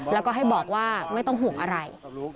แล้วก็ให้บอกว่าไม่ต้องห่วงอะไร